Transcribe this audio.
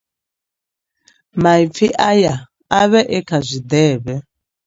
Maipfi aya a vha e kha zwiḓevhe.